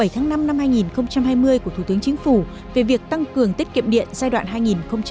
tháng năm năm hai nghìn hai mươi của thủ tướng chính phủ về việc tăng cường tích kiệm điện giai đoạn hai nghìn hai mươi hai nghìn hai mươi năm